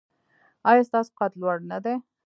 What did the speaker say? ایا ستاسو قد لوړ نه دی؟